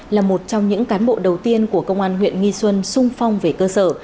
là một trong những cán bộ đầu tiên của công an huyện nghi xuân sung phong về cơ sở